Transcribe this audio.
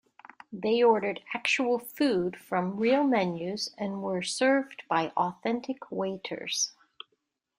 They ordered actual food from real menus and were served by authentic waiters.